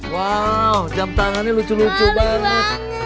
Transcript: wow jam tangannya lucu lucu banget